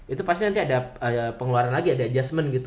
itu pasti nanti ada pengeluaran lagi ada adjustment gitu